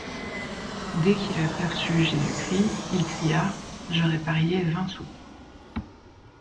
Dès qu’il aperçut Jésus-Christ, il cria: — J’aurais parié vingt sous...